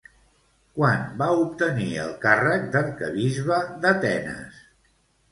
Quan va obtenir el càrrec d'arquebisbe d'Atenes?